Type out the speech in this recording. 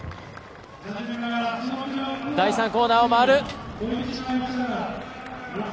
第３コーナーを回る。